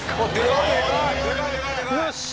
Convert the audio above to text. よし！